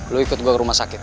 lu ikut gua ke rumah sakit